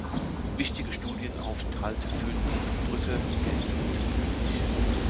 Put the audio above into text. Wichtige Studienaufenthalte führten ihn nach Brügge, Gent und Venedig.